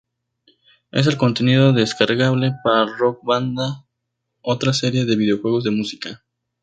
Es el contenido descargable para Rock Band, otra serie de videojuegos de música.